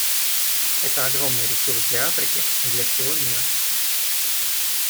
Это огромный ресурс для Африки и для всего мира.